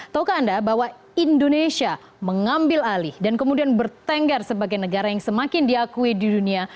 taukah anda bahwa indonesia mengambil alih dan kemudian bertenggar sebagai negara yang semakin diakui di dunia